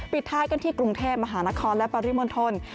ปิดท้ายกันที่กรุงเทพมหานครและปริมณฑล